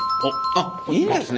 あっいいんですね。